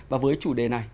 và với chủ đề này